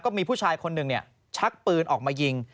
มีผู้ชายคนหนึ่งชักปืนออกมายิง